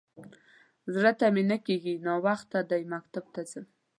_زړه ته مې نه کېږي. ناوخته دی، مکتب ته ځم.